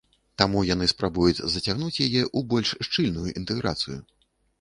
Таму яны спрабуюць зацягнуць яе ў больш шчыльную інтэграцыю.